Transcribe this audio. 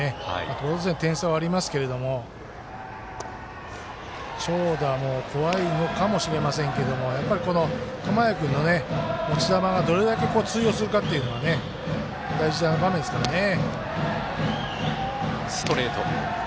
当然、点差はありますけれども長打も怖いのかもしれませんけどこの熊谷君の持ち球がどれほど通用するかというのが大事な場面ですからね。